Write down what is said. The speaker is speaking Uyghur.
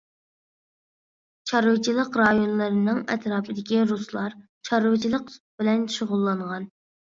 چارۋىچىلىق رايونلىرىنىڭ ئەتراپىدىكى رۇسلار چارۋىچىلىق بىلەن شۇغۇللانغان.